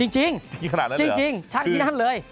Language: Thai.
จริงจริงช่างที่นั้นเลย